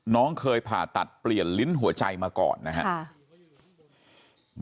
น้องเคยผ่าตัดเปลี่ยนลิ้นหัวใจมาก่อนนะครับ